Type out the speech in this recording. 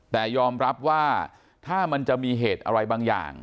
แต่ยอมรับว่าถ้ามันจะมีเหตุอะไรบางอย่าง